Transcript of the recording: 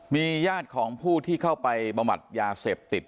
มีญาติของผู้ที่เข้าไปบำบัดยาเสพติด